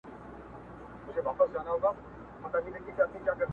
نو هايبريډ هويت به تر ډېره پوري وچلېږي